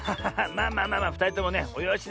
まあまあまあまあふたりともねおよしなさいって。